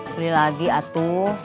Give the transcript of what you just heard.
beli lagi atuh